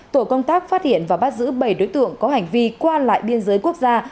tổ công tác phát hiện và bắt giữ bảy đối tượng có hành vi qua lại biên giới quốc gia